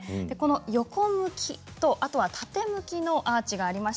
横向きと縦向きのアーチがあります。